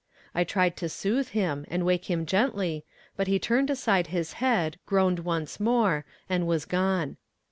I tried to soothe him, and awake him gently, but he turned aside his head, groaned once more, and was gone.